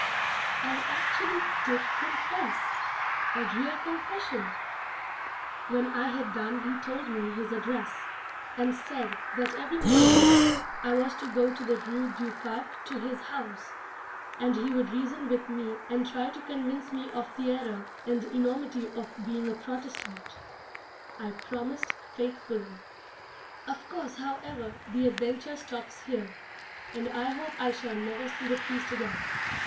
I actually did confess a real Confession. When I had done he told me his address, and said that every morning I was to go to the Rue du Parc to his house, and he would reason with me and try to convince me of the error and enormity of being a Protestant. I promised faithfully. Of course, however, the adventure stops here: and I hope I shall never see the Priest again.